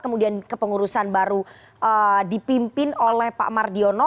kemudian kepengurusan baru dipimpin oleh pak mardiono